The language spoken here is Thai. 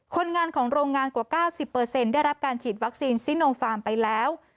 คนงานของโรงงานกว่า๙๐ได้รับการฉีดวัคซีนซิโนฟาร์มไปแล้ว